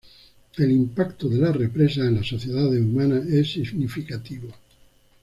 El impacto de las represas en las sociedades humanas es significativo.